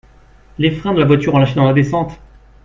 Les freins de la voiture ont lâché dans la descente